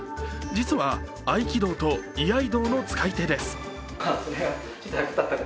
実は合気道と居合道の使い手です。